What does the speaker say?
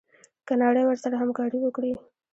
که نړۍ ورسره همکاري وکړي.